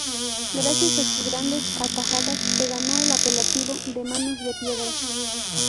Gracias a sus grandes atajadas, se ganó el apelativo de "Manos de piedra".